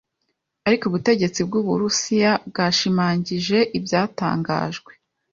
Ariko ubutegetsi bw'Uburusiya bwashimagije ibyatangajwe